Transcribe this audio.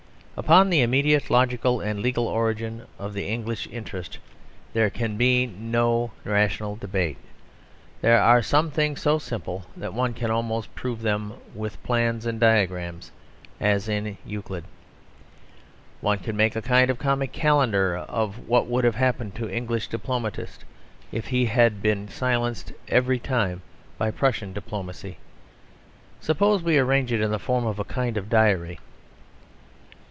Upon the immediate logical and legal origin of the English interest there can be no rational debate. There are some things so simple that one can almost prove them with plans and diagrams, as in Euclid. One could make a kind of comic calendar of what would have happened to the English diplomatist if he had been silenced every time by Prussian diplomacy. Suppose we arrange it in the form of a kind of diary.